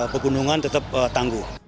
pegunungan tetap tangguh